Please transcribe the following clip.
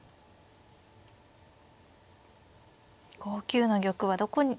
５九の玉はどこに。